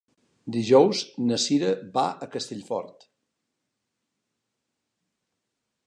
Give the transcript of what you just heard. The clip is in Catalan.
Dijous na Sira va a Castellfort.